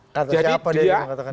atau siapa dia ingin mengatakan itu